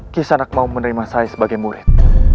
kisah anak mau menerima saya sebagai murid